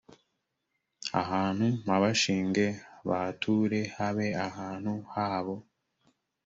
ahantu mpabashinge bahature habe ahantu habo